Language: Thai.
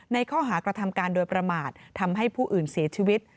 ในข้อหากระทำการโดยประมาททำให้ผู้อื่นเสียชีวิต